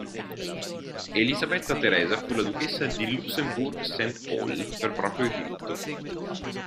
Elisabetta Teresa fu la Duchessa di Luxembourg-Saint-Pôl per proprio diritto.